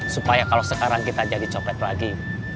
supaya kalau sekarang kita jadi copet lagi